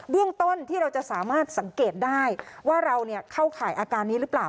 เรื่องต้นที่เราจะสามารถสังเกตได้ว่าเราเข้าข่ายอาการนี้หรือเปล่า